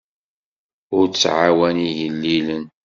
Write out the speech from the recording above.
Ur tɛawen igellilen.